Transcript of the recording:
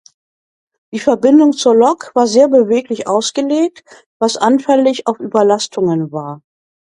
Die Verbindung zur Lok war sehr beweglich ausgelegt, was anfällig auf Überlastungen war.